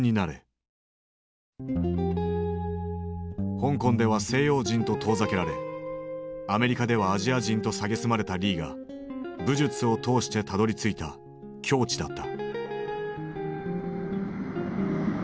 香港では西洋人と遠ざけられアメリカではアジア人と蔑まれたリーが武術を通してたどりついた境地だった。